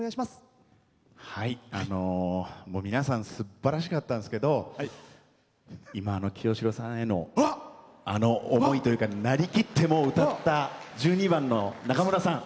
皆さんすばらしかったんですけど今、清志郎さんへのあの思いというかなりきって歌った１２番の、なかむらさん。